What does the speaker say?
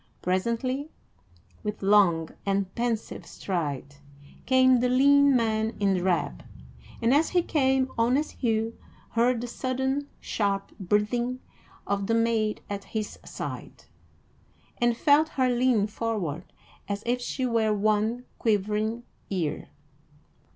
Presently, with long and pensive stride, came the lean man in drab; and as he came, honest Hugh heard the sudden, sharp breathing of the maid at his side, and felt her lean forward as if she were one quivering ear.